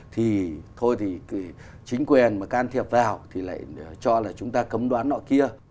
thì thôi thì chính quyền mà can thiệp vào thì lại cho là chúng ta cấm đoán nọ kia